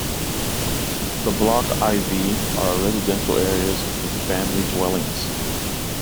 The Block I-V are residential areas with family dwellings.